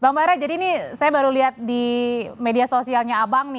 bang bara jadi ini saya baru lihat di media sosialnya abang nih